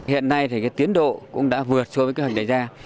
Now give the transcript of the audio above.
hiện nay thì tiến độ cũng đã vượt so với cơ hội đẩy ra